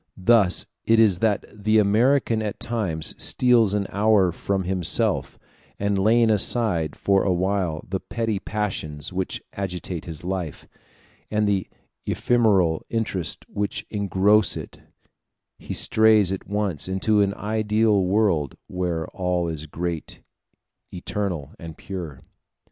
Thus it is that the American at times steals an hour from himself; and laying aside for a while the petty passions which agitate his life, and the ephemeral interests which engross it, he strays at once into an ideal world, where all is great, eternal, and pure.